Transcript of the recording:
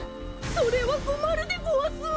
それはこまるでごわす！